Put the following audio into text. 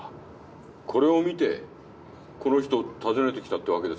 これを見てこの人を訪ねてきたってわけですか。